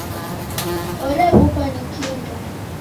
Orebukwa ni kindo.